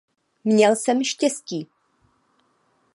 Měl jsem štěstí.